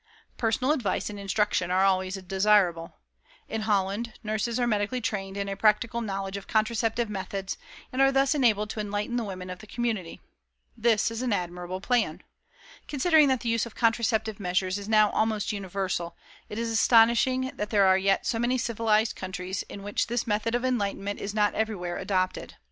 Personal advice and instruction are always desirable. In Holland nurses are medically trained in a practical knowledge of contraceptive methods, and are thus enabled to enlighten the women of the community. This is an admirable plan. Considering that the use of contraceptive measures is now almost universal, it is astonishing that there are yet so many 'civilized' countries in which this method of enlightenment is not everywhere adopted.